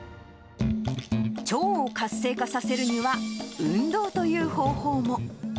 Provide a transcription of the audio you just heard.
腸を活性化させるには、運動という方法も。